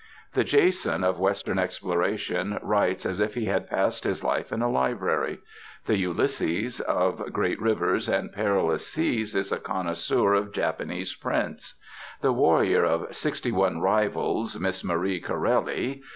The Jason of western exploration writes as if he had passed his life in a library. The Ulysses of great rivers and perilous seas is a connoisseur of Japanese prints. The warrior of 'Sixty one rivals Miss Marie Corelli.